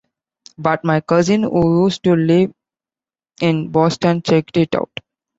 But, my cousin, who used to live in Boston, checked it out.